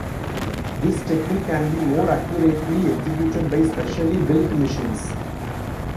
This technique can be more accurately executed by specially built machines.